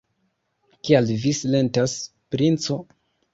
Kial vi silentas, princo?